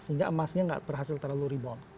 sehingga emasnya nggak berhasil terlalu rebound